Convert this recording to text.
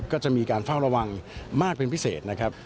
ก็จะมีการเฝ้าระวังมากเป็นพิเศษนะครับ